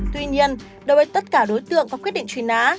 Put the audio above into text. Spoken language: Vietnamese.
tuy nhiên đối với tất cả đối tượng có quyết định truy nã